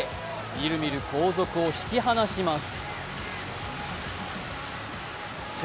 みるみる後続を引き離します。